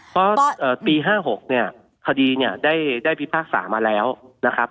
เพราะอ่าปีห้าหกเนี้ยทดีนี้เนี้ยได้ได้พิพากษามาแล้วนะครับ